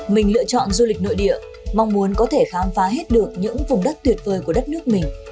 mình lựa chọn du lịch nội địa mong muốn có thể khám phá hết được những vùng đất tuyệt vời của đất nước mình